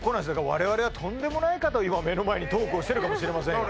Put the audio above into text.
我々はとんでもない方を今目の前にトークをしてるかもしれませんよ